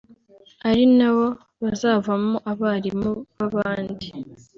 ari nabo bazavamo abarimu b’abandi